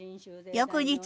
翌日。